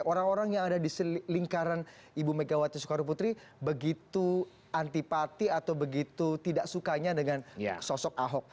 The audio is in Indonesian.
orang orang yang ada di lingkaran ibu megawati soekarno putri begitu antipati atau begitu tidak sukanya dengan sosok ahok